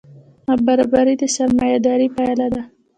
نابرابري د سرمایهدارۍ پایله ده.